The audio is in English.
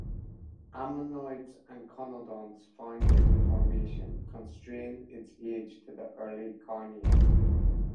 Ammonoids and conodonts found in the formation constrain its age to the early Carnian.